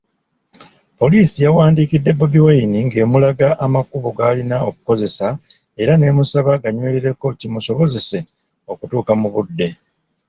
Poliisi yawandiikidde BobiWine ng'emulaga amakubo g'alina okukozesa era n'emusaba aganywerereko kimusobozese okutuuka mu budde.